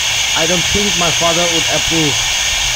I don’t think my father would approve